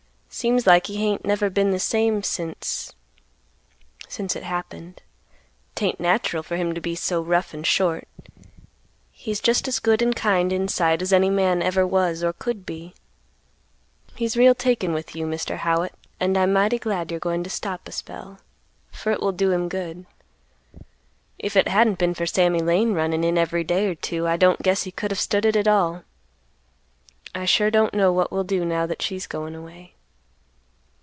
Seems like he ain't never been the same since—since—it happened. 'Tain't natural for him to be so rough and short; he's just as good and kind inside as any man ever was or could be. He's real taken with you, Mr. Howitt, and I'm mighty glad you're goin' to stop a spell, for it will do him good. If it hadn't been for Sammy Lane runnin' in every day or two, I don't guess he could have stood it at all. I sure don't know what we'll do now that she's goin' away.